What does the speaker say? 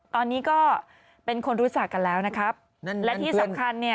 ตอนนี้ก็เป็นคนรู้จักกันแล้วนะครับนั่นแหละและที่สำคัญเนี่ย